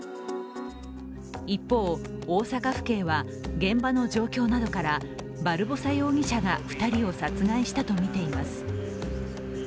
一方、大阪府警は現場の状況などから、バルボサ容疑者が２人を殺害したとみています。